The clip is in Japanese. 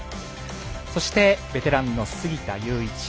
そしてベテランの杉田祐一。